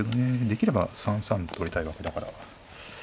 できれば３三と取りたいわけだから。